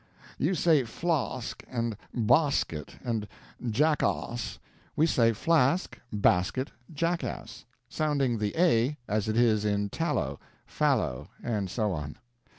You say 'flahsk' and 'bahsket,' and 'jackahss'; we say 'flask,' 'basket,' 'jackass' sounding the 'a' as it is in 'tallow,' 'fallow,' and so on.